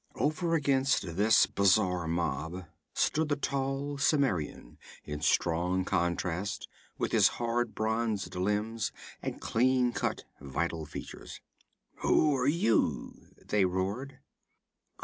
Over against this bizarre mob stood the tall Cimmerian in strong contrast with his hard bronzed limbs and clean cut vital features. 'Who are you?' they roared.